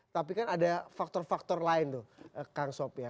tapi kan ada faktor faktor lain tuh kang sob ya